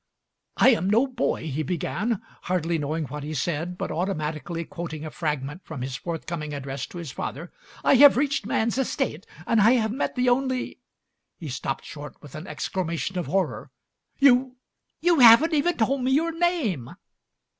"I am no boy," he began, hardly knowing what he said, but automatically quoting a fragment from his forthcoming address to his father. "I have reached man's estate and I have met the only " He stopped short with an exclamation of horror. "You — you haven't even told me your name!"